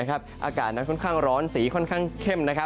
อากาศนั้นค่อนข้างร้อนสีค่อนข้างเข้ม